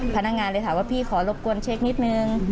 พนักงานเลยถามว่าพี่ขอรบกวนเช็คนิดนึง